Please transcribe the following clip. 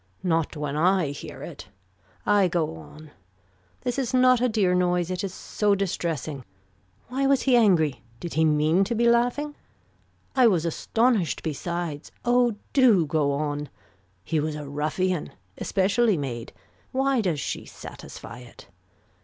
Not when I hear it. I go on. This is not a dear noise. It is so distressing. Why was he angry. Did he mean to be laughing. I was astonished besides. Oh do go on. He was a ruffian. Especially made. Why does she satisfy it.